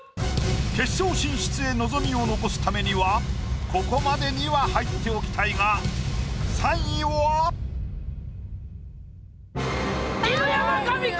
決勝進出へ望みを残すためにはここまでには入っておきたいが犬山紙子！